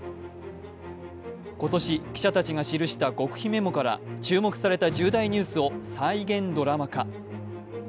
今年、記者たちが記した極秘メモから注目された重大ニュースを再現ドラマ化。